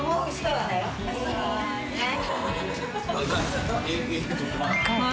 はい。